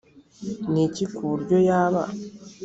ni iki ku buryo yaba